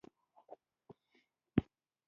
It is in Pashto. پسه د بزګر لپاره برکت دی.